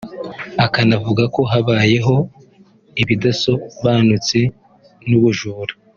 akanavuga ko habayeho ’ibidasobanutse n’ubujura’